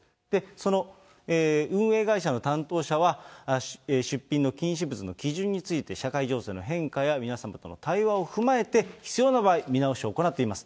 その運営会社の担当者は、出品の禁止物の基準について、社会情勢の変化や皆様との対話を踏まえて、必要な場合、見直しを行っています。